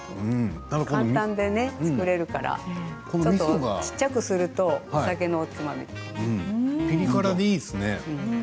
簡単に作れるから小さくするとみそがピリ辛でいいですね。